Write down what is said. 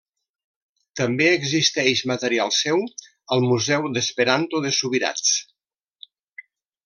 També existeix material seu al museu d'esperanto de Subirats.